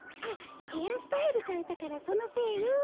あっヘアスタイルかえたからそのせいよ。